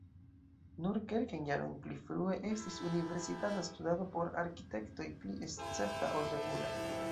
Nur kelkajn jarojn pli frue estis universitata studado por arkitektoj pli escepta ol regula.